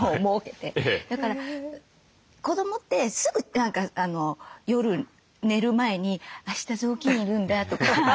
だから子どもってすぐ何か夜寝る前に「あした雑巾要るんだ」とか。